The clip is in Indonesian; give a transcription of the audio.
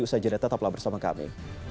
usaha jeda tetaplah bersama kami